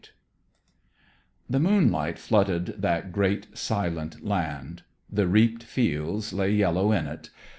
_" VII The moonlight flooded that great, silent land. The reaped fields lay yellow in it.